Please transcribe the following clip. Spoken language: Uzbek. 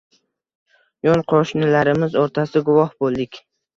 Yon qoʻshnilarimiz oʻrtasida guvoh boʻldik.